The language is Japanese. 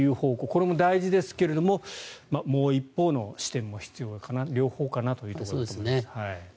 これも大事ですがもう一方の視点も必要かな両方かなというところだと思います。